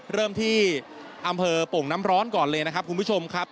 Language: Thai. เริ่มที่อำเภอโป่งน้ำร้อนก่อนเลยนะครับคุณผู้ชมครับ